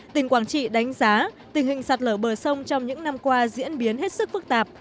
tỉnh quảng trị đánh giá tình hình sạt lở bờ sông trong những năm qua diễn biến hết sức phức tạp